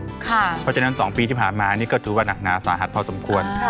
เพราะฉะนั้น๒ปีที่ผ่านมานี่ก็ถือว่าหนักหนาสาหัสพอสมควร